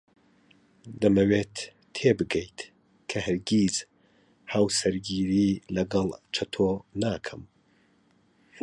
دەمەوێت تێبگەیت کە هەرگیز هاوسەرگیری لەگەڵ چەتۆ ناکەم.